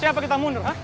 siapa kita mundur